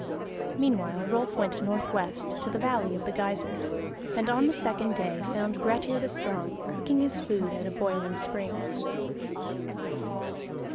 Meanwhile Rolf went northwest to the valley of the geysirs, and on the second day found Grettir the Strong cooking his food at a boiling spring.